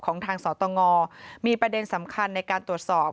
ของทางสตงมีประเด็นสำคัญในการตรวจสอบ